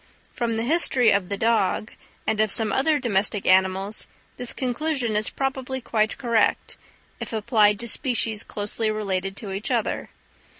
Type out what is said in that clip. From the history of the dog, and of some other domestic animals, this conclusion is probably quite correct, if applied to species closely related to each other.